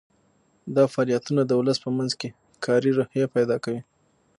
دا فعالیتونه د ولس په منځ کې کاري روحیه پیدا کوي.